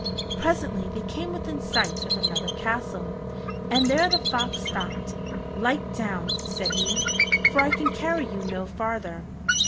Presently they came within sight of another castle, and there the fox stopped. "Light down," said he, "for I can carry you no farther.